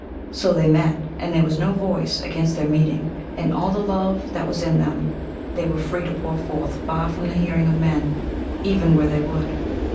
So they met, and there was no voice against their meeting, and all the love that was in them they were free to pour forth far from the hearing of men, even where they would.